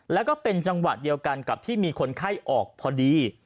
แล้วก็เป็นจังหวะเดียวกันกับที่มีคนไข้ออกพอดี